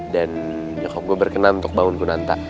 dan nyokap gue berkenan untuk bangun kunanta